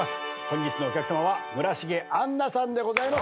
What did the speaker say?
本日のお客さまは村重杏奈さんでございます。